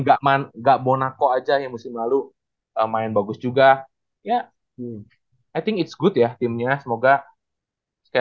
gakman gak monaco aja yang musim lalu main bagus juga ya i think it s good ya timnya semoga sekali